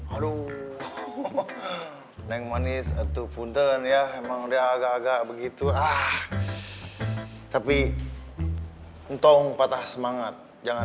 aduh neng manis atau punten ya emang dia agak agak begitu ah tapi entong patah semangat jangan